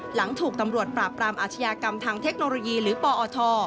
หลังถูกตำรวจปราบปรามอาชญากรรมทางเทคโนโลยีหรือปอท